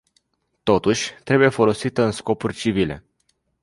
Totuși, trebuie folosită în scopuri civile.